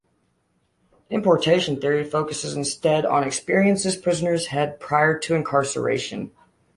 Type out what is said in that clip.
Importation theory focuses instead on experiences prisoners had prior to incarceration.